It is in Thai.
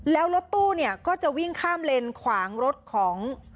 แล้วรถตู้เนี่ยก็จะวิ่งข้ามเลนขวางรถของ